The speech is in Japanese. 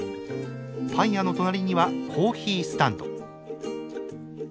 パン屋の隣にはコーヒースタンド。